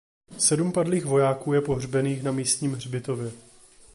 Sedm padlých vojáků je pohřbených na místním hřbitově.